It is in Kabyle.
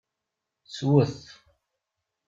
Swet!